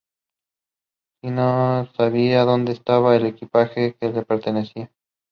Él mismo no sabía dónde estaba el equipaje que le pertenecía.